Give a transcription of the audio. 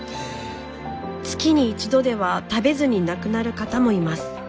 月に１度では食べずに亡くなる方もいます。